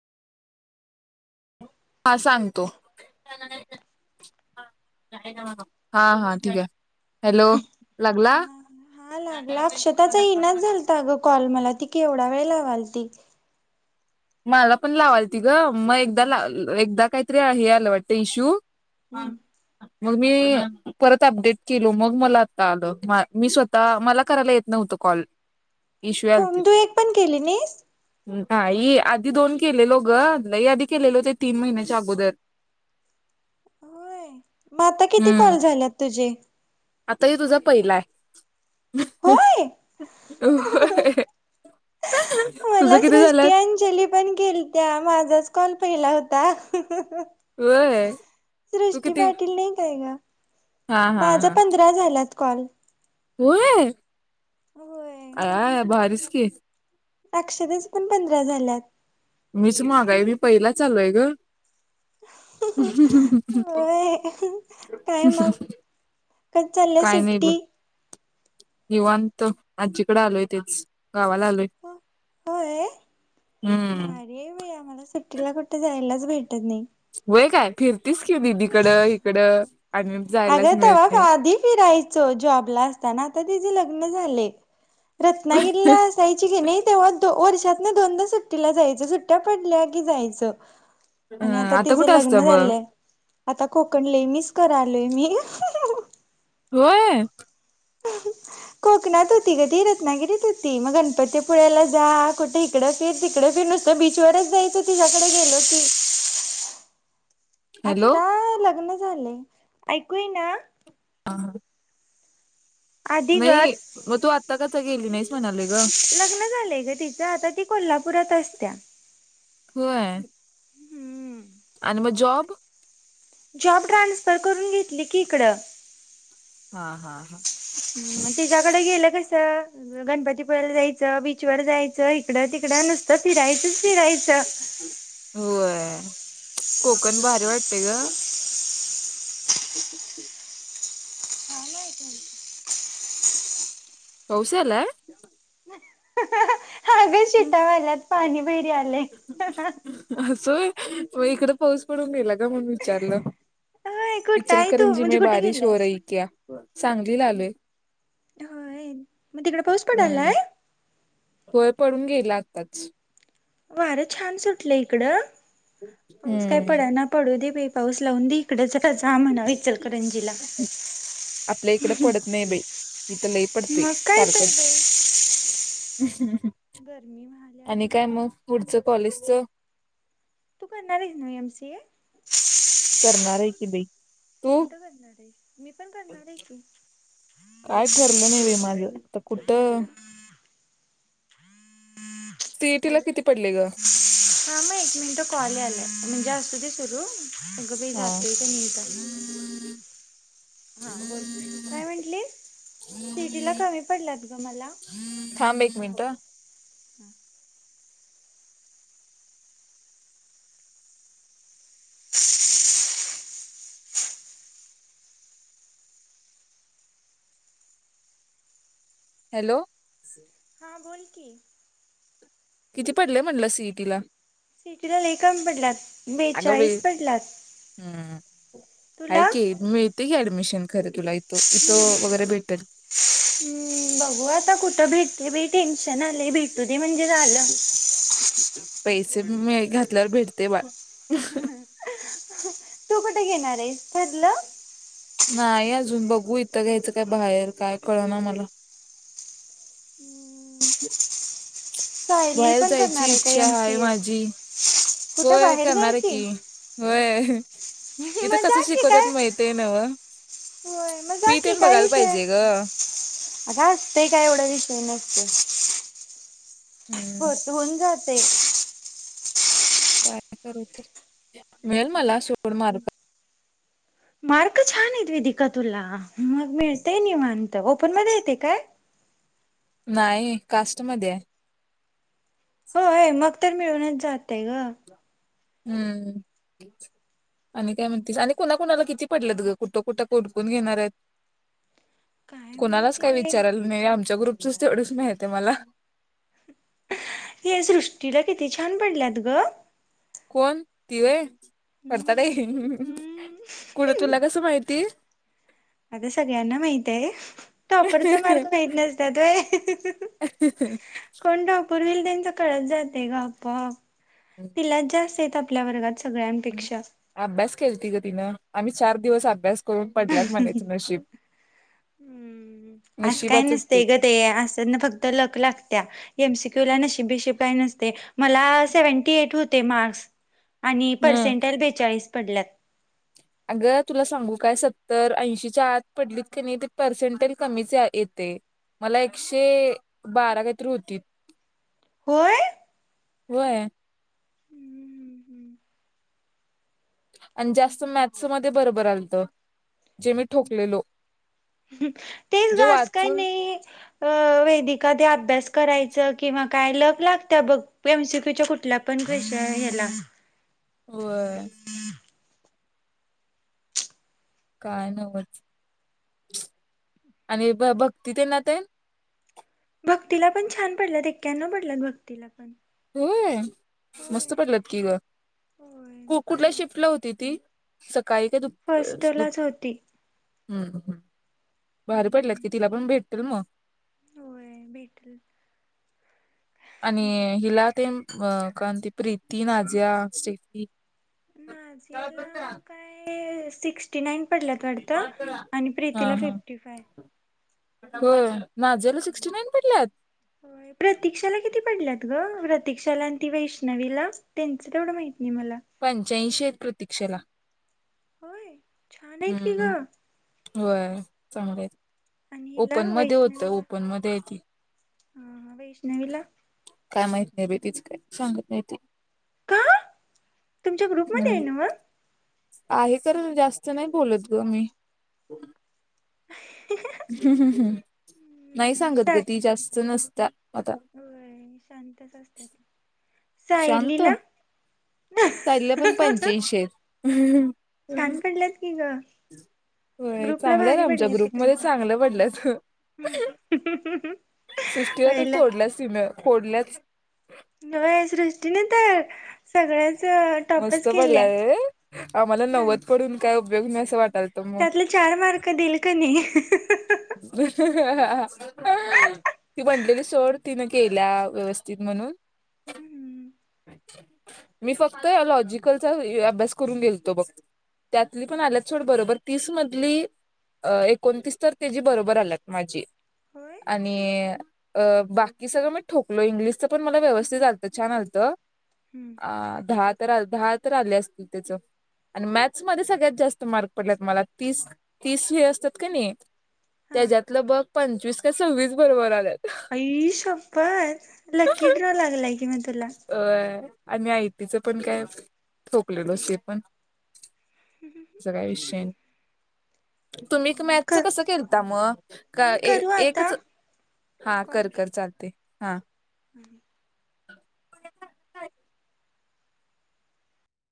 हा सांगतो. हा हा ठीक आहे हॅलो! लागला हा लागला अक्षताचा इनाच झालता ग कॉल. मला ती की केवडा वेळ लावालती. मला पण लावलती त ग, मग एकदा ला एकदा काहीतरी हे आलं वाटतं इश्यू. हूं! मग मी परत अपडेट केलो मग मला आता आलं मी स्वतः मला करायला येत नव्हत कॉल. इश्यू हो आलतीत तू एक पण केली नाहीस? हूं! नाही, आधी दोन केलेलो ग, लई आधी केलेले होते तीन महिन्याच्या अगोदर. होय, मग आता किती हम्म कॉल झाल्यात तुझे. आता हे तुझा पहिला आहे. होय तुझं मला किती झालं स्रष्टीयांजली पण केेल त्या माझाच कॉल पहिला होता. ह होय तू सृष्टी किती पाटील नाही काय ग हा हा माझ हा पंधरा झाल्यात. कॉल. होय! [unintelligible] [inaudible] आकशदा च्या पण पंधरा झाल्यात. मीच माग आहे, मी पहिला चालूय ग, ह ह ह होय काय मग चालल्या काय नाही बघ सुट्टी. निवांत आजीकडे आलोय तेच. गावाला आलोय होय हम्म भारी ये बाई आम्हाला. सुट्टीला कुठ जा जायलाच भेटत नाही. व्हय काय फिर तेच की दीदीकड इकडं. आणि जायलाच अगं मिळत तेव्हा नाही आधी फिरायचो जॉबला असताना आता तिचे लग्न झाले. रत्नागिरी ला जाायची की नाही. तेव्हा वर्षात ना दोनदा सुट्टीला जायच सुट्ट्या पडल्या की जायचं. अं, आता तिच कुठे असतं लग्न मग झाले आता कोकण ले मिच कराड, ले मी हा हा होय? कोकणात होती ग ती रत्नागिरीत होती मग गणपतीपुळ्याला जा कुठे इकडं फिर तिकड फिर नुसतं बीचवरच जायचं तिच्याकडे गेलो की. हॅलो आता लग्न झालय ऐकू येईना? हा. आधी गं नाही मग तू आत्ता का गेली नाही स लग्न झालंय ग तिचं आता ती कोल्हापुरात असत्या होय. हम्म. आणि मग जॉब? जॉब ट्रान्सफर करून घेतली की इकडं. हा हा हा ह तिच्याकडे गेले का तर गणपतीपुळेला जायचं बीचवर जायचं इकडं तिकडं नसतं फिरायचं. होय. कोकण भारी वाटते ग. [inaudible] पाऊस यायलाय. सग शितावाल्यात पाणी भैरी आलंय. होय इकडं पाऊस पडून गेला का म्हण विचारलं. होय कुठं आहे तू इचलकरंजी म्हणजे मैं कुठे बारिश हो गेल्यास? रही क्या? सांगलीला आलोय. होय मग तिकड पाऊस हम्म पडायलाय. होय पडून गेला आत्ताच. वारं छान सुटलं इकडं. पाऊस काय हम्म. पडा ना पडू दे बाई पाऊस लावून दे इकड जरा जा म्हणावायचल करंजीला आपल्या इकडे पडत नाही बाई इथं लई पडतोय मग काय तर बाई. ह्. गरमी व्हाल्या आणि काय ढीग बर मग पुढचं कॉलेजचं तू काणारच ना एम सी ए? करणार आहे की बाई तू कुठं करणार आहे मी पण करणार आहे की. काय ठरलं नाही बाइ माझं तर कुठं सीईटी ला किती पडले ग हा मग एक मिनिट कॉल यायलय. म्हणजे असतू तदे सुरू अग बाई हा जातय का नाही? हा बोल काय म्हटली सिइटिला कमी पडलात ग मला. थांब एक मिनिट हम्म हॅलो बोलकी. किती पडले म्हंटलं सीईटीला? सिइटीला लाख कमी पडलात अगं बेचाळीस पडलात. अय क मी ते की ॲडमिशन खरे तुला इथो इथो वगैरे भेटेल. ते भेटील अडचण नाही भेटू दे म्हणजे झाल. पैसे म घातल्यावर भेटते बाळ ह हा ह तू कुठे घेणार आहेस ठरलं? नाही अजून बघू इथं घ्यायचं काय बाहेर काय कळ ना मला. सायली बाहेर पण करणार जायची आहे का इच्छा एम सी आहे ए माझी कुठं होय करणार आहे की होय. इथं म जा कसं की काय शिकवतात माहितीय नव्ह. होय मग जा फी की तेन काय बघायला विषय पाहिजे ग. अय आग असतय काय एवढा विषय नसतय. हम्म होत होऊन जा ते काय मिळेल मला सोड मार्ग मार्क छान येत वेदिका तुला मग मिळते निवाणत ओपन मध्ये येते काय? नाही कास्टमध्ये आहे. होय मग तर मिळूनच जात तय ग हम्म आणि काय म्हणतीस आणि कुणाकुणाला किती पडलंत ग कुठं कुठं कोणकोण घेणार आहेत? काय कोणालाच माहिती काय बाई विचारयला नाही आमच्या ग्रुप तु तेवढच माहीत आहे मला हे सृष्टीला किती छान पडल्यात ग. कोण तिवे करतात आहे हम्म कुठं हम्म तुला कसं माहिती? आता सगळ्यांना माहित आहे टॉपरचा मार्ग माहीत नसतात व्हय कोण टॉपर होईल? त्यांच कळत जाते गं आपोआप तिलाच जास्त य आपल्या वर्गात सगळ्यांपेक्षा अभ्यास केलती गं तिनं आम्ही चार दिवस अभ्यास करून पडल्यात म्हणायचं नशीब हम् असं काही नसतय गं ते असंना फक्त लक लागत्या. एम सी क्यू ला नशीब बिशीब काही नसते मला सेव्हन्टी एट होते मार्क्स. आणि हम्म परर्सेंटेज बेचाळीस. पडल्यात. अगं तुला सांगू काय सत्तर ऐंशीच्या आत पडलीत का नाही ते पर्सेंट कमीच या येतय. मला एकशे बारा काहीतरी होतीत. होय. होय. आणि जास्त मॅथ्स मध्ये बरोबर आलतं जे मी ठोकलेलो. ह तेच म्हणजे गं असं काय वाचून नाही. अ वेदिका ते अभ्यास करायचं किंवा काय लक लागत्या बघ, एम सी क्यू च्या कुठल्यापण विषय ह्याला [unintelligible] होय काय नवचं आणि ब भक्ती तेना ते भक्तीला पण छान पडल्यात एक्यानव पडल्यात भक्तीला पण होय होय मस्त पडल्यात की गं, होय कु कुठल्या शिफ्ट ला होती ती. सकाळी काय दुप दुप हॉस्टेलाच होती. हम्म ह हम्म भारी पडल्यात हम्म, की तिला पण भेट [unintelligible] होय भेटल आणि हिला ते अ कारण ती प्रीती नाझिया स्टेफी नाझियाला काय सिक्स फीफ्टीनाइन पडल्यात वाटतं आणि हा प्रीतीला हा फिफ्टी फाय. होय. नाझियाला सिक्स्टी नाईन पडल्यात प्रतीक्षाला किती पडल्यात? ग प्रतीक्षाला आणि ती वैष्णवीला त्यांचं तेवढं माहिती पंच्याऐंशी आहेत प्रतीक्षेला. होय छान आहेत की ग. व्हय चांगले आहेत आणि हिला ओपन मध्ये होतं. वैष्णवीला ओपन मध्ये आहे ती. हा वैष्णवीला काय माहिती नाही बाई, तीच काय सांगत नाही ती का तुमच्या ग्रुपमध्ये हम्म हाय नव्ह आहे तर जास्त नाही बोलत ग मी. हम्म हम्म हम्म, नाही हम्म, आणि सांगत गं साय ती जास्त नस चा होय शांतच असते, शांत सायलीला सायलीला पण पंच्याऐंशी आहेत. छान पडल्यात की ग होय ग्रुपला चांगलं आहेत भारी आमच्या पडल्यात की ग्रुपमध्ये तुमच्या चांगलं पडल्यात, सृष्टीला तर होय तोडल्यात तीण फोडल्याच. व्हय सृष्टीने तर सगळ्या मस्त पडला ये, आम्हाला नाही नव्वद पडून काय उपयोग‌ नाही अस वाट त्यातले चार मार्क देइल कणी ती म्हटलेली सोड तिन केल्या व्यवस्थित म्हणून, मी फक्त लॉजिकलचा अभ्यास करून गेलतो बघ, त्यातली पण आल्यात सोड बरोबर तीस मधली अ एकोणतीस तर त्याची बरोबर आल्यात माझी. होय आणि अ बाकी सगळं मी ठोकलो, इंग्लिशच पण मला व्यवस्थित आलतं छान आलतं. आ दहा तर दहा तर आले असतील त्याचं आणि मॅच मध्ये सगळ्यात जास्त मार्क पडल्यात मला, तीस तीस हे असतात कणी हा त्याच्यातलं बघ पंचवीस का सव्वीस बरोबर आल्यात. आई शपथ लकी ड्रॉ लागलाय अ [unintelligible] आणि आयटी च पण काय ठोकलेलो ते पण तेचा काय विषय, तुम्ही मॅचचं कर कसं केलता मग? का मी करू आता एकच, हा कॉल कर कर चालतय. हा. [inaudible]